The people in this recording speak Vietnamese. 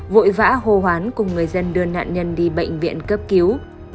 vội vã hồ hoán cùng người dân đưa nạn nhân đi bệnh viện cấp cứu